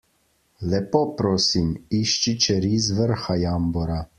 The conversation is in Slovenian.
Lepo prosim, išči čeri z vrha jambora!